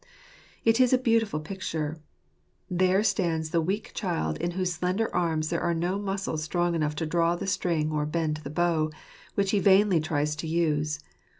" It is a beautiful picture. There stands the weak child in whose slender arms there are no muscles strong enough to draw the string or bend the bow, which he vainly tries to use.